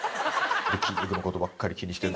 筋肉の事ばっかり気にしてる。